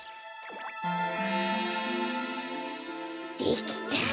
できた！